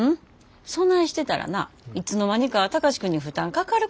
そないしてたらないつの間にか貴司君に負担かかることになんねん。